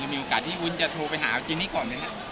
มีโอกาสที่วุ้นจะโทรไปหาจินนี่ก่อนไหมครับ